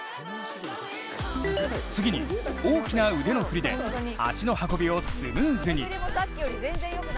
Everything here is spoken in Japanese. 次に大きな腕の振りで足の運びをスムーズに。